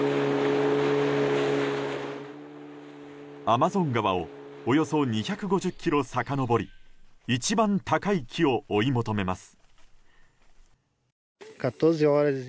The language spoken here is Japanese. アマゾン川をおよそ２５０ｋｍさかのぼり一番高い木を追い求めます。